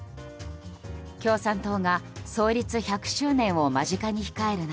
共産党が創立１００周年を間近に控える中